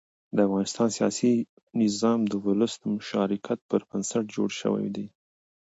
د افغانستان سیاسي نظام د ولس د مشارکت پر بنسټ جوړ شوی دی